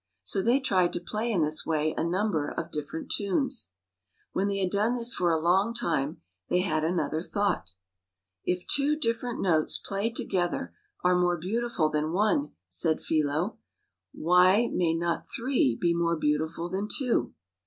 So they tried to play in this way a number of different tunes. When they had done this for a time they had another thought. " If two different notes played together are more beautiful than one," said Philo, " why may not three be more beautiful than two?